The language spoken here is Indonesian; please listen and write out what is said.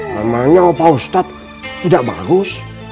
namanya pak ustadz tidak bagus